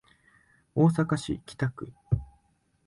大阪市北区